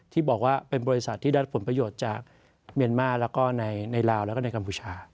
ที่บอกว่าเป็นบริษัทที่ได้รับผลประโยชน์จากเมียนมาร์แล้วก็ในลาวแล้วก็ในกัมพูชา